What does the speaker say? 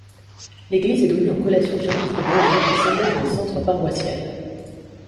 L'église est donné en collation au chapitre d'Angers, et semble être un centre paroissial.